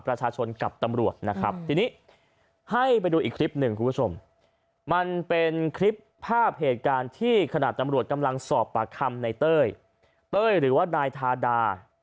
ประชาชนกับตำรวจนะครับทีนี้ให้ไปดูอีกคลิปหนึ่งคุณผู้ชมมันเป็นคลิปภาพเหตุการณ์ที่ขณะตำรวจกำลังสอบปากคำในเต้ยเต้ยหรือว่านายทาดา